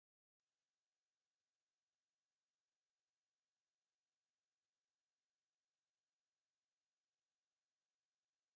এটি আনুষ্ঠানিকভাবে উদ্বোধন করেন বাংলাদেশ জাতীয় সংসদের তৎকালীন স্পিকার হুমায়ুন রশীদ চৌধুরী।